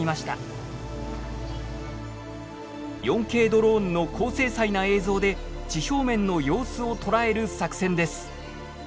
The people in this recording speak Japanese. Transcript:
４Ｋドローンの高精細な映像で地表面の様子を捉える作戦です。